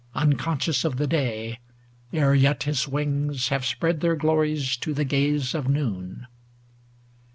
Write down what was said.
Unconscious of the day, ere yet his wings Have spread their glories to the gaze of noon.